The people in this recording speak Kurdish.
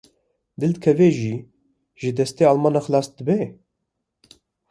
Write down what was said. Dîl bikeve jî ji destê Almanan xelas dibe?